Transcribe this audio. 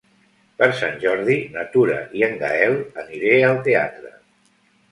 Per Sant Jordi na Tura i en Gaël aniré al teatre.